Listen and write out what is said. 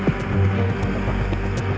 tidak ada hypocritik